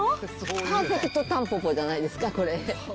パーフェクトたんぽぽじゃないですか、これ。